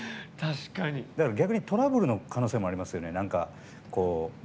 だから、逆にトラブルの可能性もありますよね。